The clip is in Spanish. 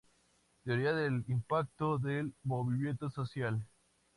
Teoría del impacto del movimiento social.